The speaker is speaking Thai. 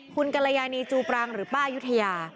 คุณกรยานีจูปรังหรือป้ายุธยา